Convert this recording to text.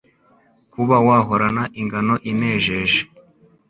kuba wahorana ingano inejeje